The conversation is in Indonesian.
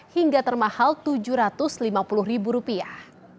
hingga termahal tujuh ratus lima puluh ribu rupiah